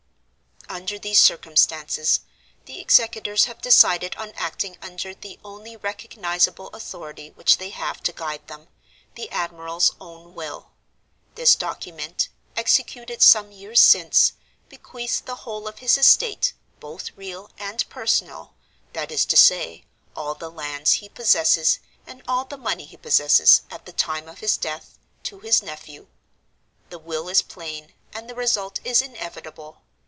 "Under these circumstances, the executors have decided on acting under the only recognizable authority which they have to guide them—the admiral's own will. This document (executed some years since) bequeaths the whole of his estate, both real and personal (that is to say, all the lands he possesses, and all the money he possesses, at the time of his death), to his nephew. The will is plain, and the result is inevitable.